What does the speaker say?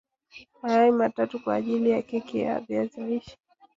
Mayai matatu kwaajili ya keki ya viazi lishe